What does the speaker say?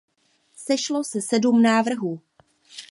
Sešlo se sedm návrhů.